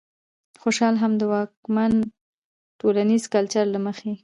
خوشال هم د واکمن ټولنيز کلچر له مخې